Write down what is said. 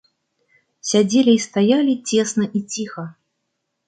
Сядзелі і стаялі цесна і ціха.